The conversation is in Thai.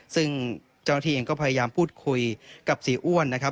ซึ่งเจ้าหน้าที่เองก็พยายามพูดคุยกับเสียอ้วนนะครับ